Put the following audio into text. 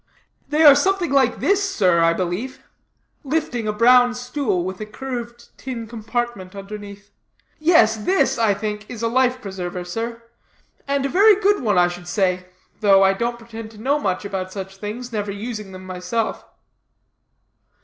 "They are something like this, sir, I believe," lifting a brown stool with a curved tin compartment underneath; "yes, this, I think, is a life preserver, sir; and a very good one, I should say, though I don't pretend to know much about such things, never using them myself."